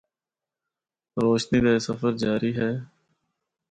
روشنی دا اے سفر جاری ہے۔